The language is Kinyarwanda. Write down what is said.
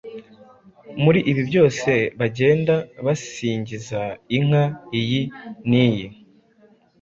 Muri ibi byose bagenda basingiza inka iyi n’iyi,